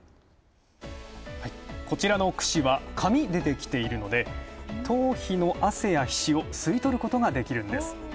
こちらのくしは紙でできているので、頭皮の汗や皮脂を吸い取ることができるんです。